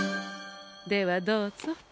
ではどうぞ。